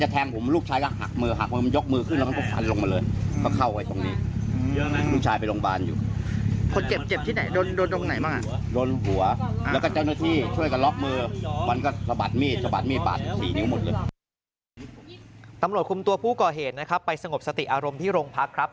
ตำรวจคุมตัวผู้ก่อเหตุนะครับไปสงบสติอารมณ์ที่โรงพักครับ